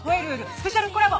スペシャルコラボ！